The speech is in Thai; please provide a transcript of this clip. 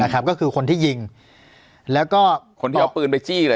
ก็คือคนที่ยิงแล้วก็คนที่เอาปืนไปจี้เลย